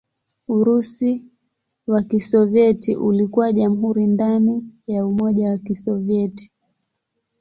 Urusi wa Kisovyeti ulikuwa jamhuri ndani ya Umoja wa Kisovyeti.